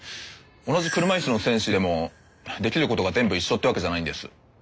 同じ車いすの選手でもできることが全部一緒ってわけじゃないんです。